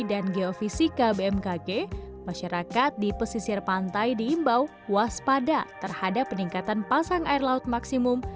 dan geofisika bmkg masyarakat di pesisir pantai diimbau waspada terhadap peningkatan pasang air laut maksimum